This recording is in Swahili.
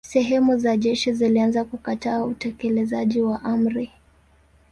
Sehemu za jeshi zilianza kukataa utekelezaji wa amri.